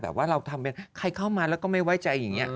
ว่าเราทำเป็นใครเข้ามาแล้วก็ไม่ไว้ใจอย่างนี้